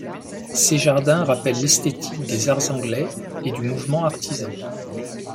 Ses jardins rappellent l'esthétique des arts anglais et du mouvement artisan.